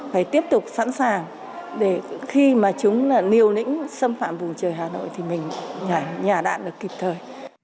phải tiếp tục sẵn sàng để khi mà chúng là niêu nĩnh xâm phạm vùng trời hà nội thì mình nhả đạn được kịp thời